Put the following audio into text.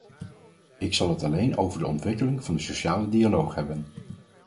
Ik zal het alleen over de ontwikkeling van de sociale dialoog hebben.